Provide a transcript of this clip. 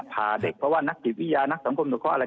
พาเด็กเพราะว่าที่นักยินวิญญาณทางกลุ่มตัวข้ออะไร